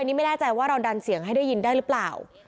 นี่ไม่แน่ใจว่าเราดันเสียงให้ได้ยินได้หรือเปล่า